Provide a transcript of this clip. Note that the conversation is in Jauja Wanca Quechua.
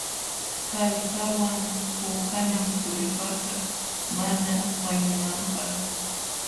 Kallpawan puukanam tullpakaq mana wañunanapq.